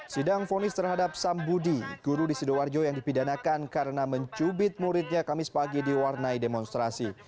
sidang fonis terhadap sambudi guru di sidoarjo yang dipidanakan karena mencubit muridnya kamis pagi diwarnai demonstrasi